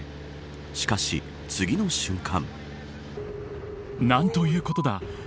しかし、次の瞬間。